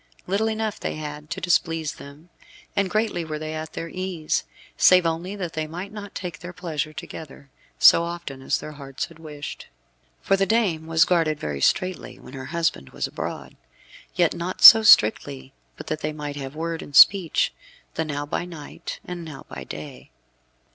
Little enough had they to displease them, and greatly were they at their ease, save only that they might not take their pleasure together, so often as their hearts had wished. For the dame was guarded very straitly when her husband was abroad. Yet not so strictly but that they might have word and speech, the now by night and now by day.